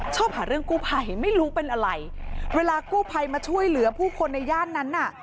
หาเรื่องกู้ภัยไม่รู้เป็นอะไรเวลากู้ภัยมาช่วยเหลือผู้คนในย่านนั้นน่ะ